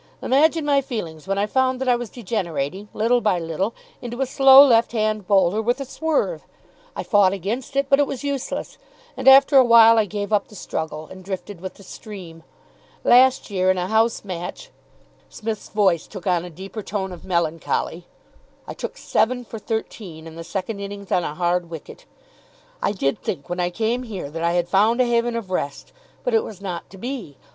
Imagine my feelings when I found that I was degenerating, little by little, into a slow left hand bowler with a swerve. I fought against it, but it was useless, and after a while I gave up the struggle, and drifted with the stream. Last year, in a house match" Psmith's voice took on a deeper tone of melancholy "I took seven for thirteen in the second innings on a hard wicket. I did think, when I came here, that I had found a haven of rest, but it was not to be.